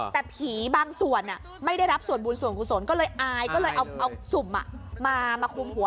แต่ผีบางส่วนไม่ได้รับส่วนบุญส่วนกุศลก็เลยอายก็เลยเอาสุ่มมาคุมหัว